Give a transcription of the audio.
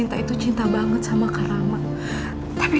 ei tuanku tak ada apa